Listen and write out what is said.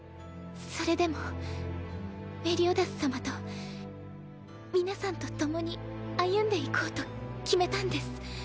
それでもメリオダス様と皆さんと共に歩んでいこうと決めたんです。